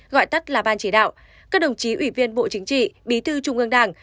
gọi tắt là ban chỉ đạo các đồng chí ủy viên bộ chính trị bí thư trung ương đảng